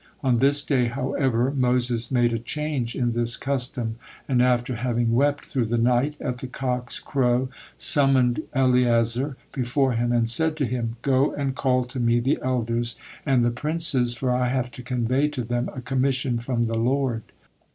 On this day, however, Moses made a change in this custom, and after having wept through the night, at the cock's crow summoned Eleazar before him and said to him: "Go and call to me the elders and the princes, for I have to convey to them a commission from the Lord."